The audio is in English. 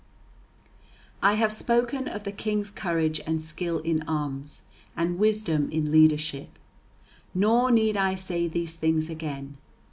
I have spoken of the King's courage and skill in arms and wisdom in leadership, nor need I say these things again.